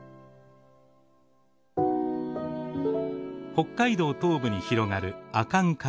北海道東部に広がる阿寒カルデラ。